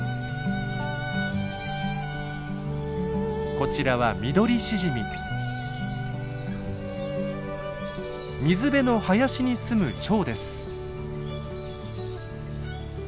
こちらは水辺の林にすむチョウです。